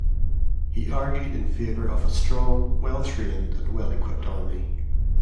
He argued in favour of a strong, well-trained and well-equipped army.